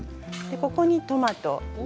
ここにトマト。